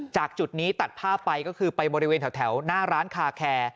จากจุดนี้ตัดภาพไปก็คือไปบริเวณแถวหน้าร้านคาแคร์